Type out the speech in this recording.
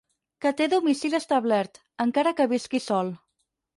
Que té domicili establert, encara que visqui sol.